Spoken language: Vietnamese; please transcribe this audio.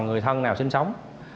người thân nào sinh sống